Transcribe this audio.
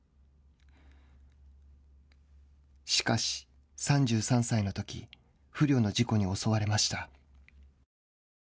しかし３３歳のとき不慮の事故に襲われました。